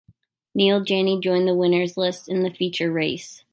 Neel Jani joined the winners' list in the feature race.